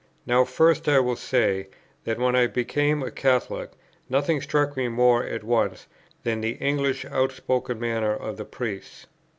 Now first I will say, that, when I became a Catholic, nothing struck me more at once than the English out spoken manner of the Priests.